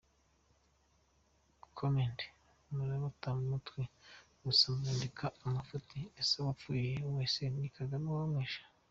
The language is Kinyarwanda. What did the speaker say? Comment:Murabata mutwe gusa mwandika amafuti ese uwapfuye wese ni Kagame uba wamwishe ?